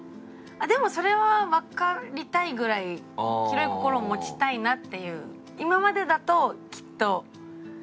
でもそれはわかりたいぐらい広い心を持ちたいなっていう。